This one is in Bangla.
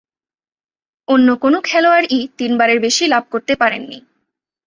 অন্য কোন খেলোয়াড়ই তিনবারের বেশি লাভ করতে পারেননি।